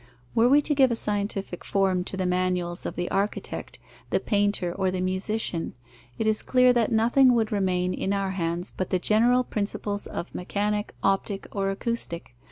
Were we to give a scientific form to the manuals of the architect, the painter, or the musician, it is clear that nothing would remain in our hands but the general principles of Mechanic, Optic, or Acoustic.